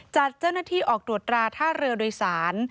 จัดเจ้าหน้าที่ออกตรวจราท่าเรือโดยสาร